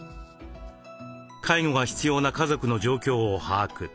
介護が必要な家族の状況を把握。